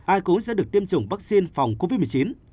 ai cũng sẽ được tiêm chủng vaccine phòng covid một mươi chín